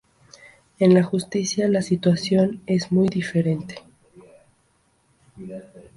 En la justicia, la situación es muy diferente.